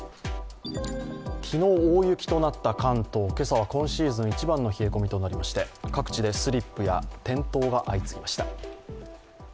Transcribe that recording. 昨日、大雪となった関東、今朝は今シーズン一番の冷え込みとなりまして、各地でスリップや転倒が相次ぎました。